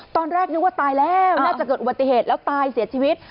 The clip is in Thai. ตอนแรกนึกว่าตายแล้วน่าจะเกิดอุบัติเหตุแล้วตายเสียชีวิต